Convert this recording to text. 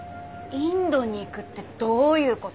インドに行くってどういうこと？